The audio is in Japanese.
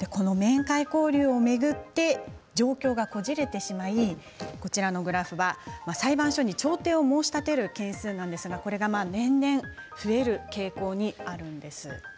この面会交流を巡って状況がこじれてしまう、こちらのグラフは裁判所に調停を申し立てる件数なんですが、これが年々増える傾向にあるんです。